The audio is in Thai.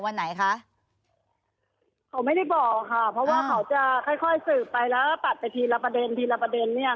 เพราะว่าเขาจะค่อยสืบไปแล้วตัดไปทีละประเด็น